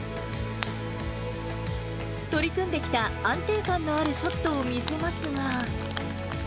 取り組んできた安定感のあるショットを見せますが。